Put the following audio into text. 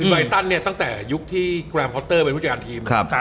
ไรตันเนี่ยตั้งแต่ยุคที่แรมคอตเตอร์เป็นผู้จัดการทีม